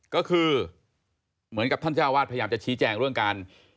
ก็คือเหมือนกับท่านเจ้าวาดพยายามจะชี้แจงเรื่องการ